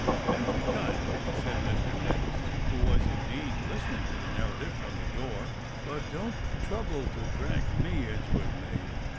"Thank you kindly," said Mr. Mipps, who was in deed listening to the narrative from the door, "but don't trouble to drag me into it, mate.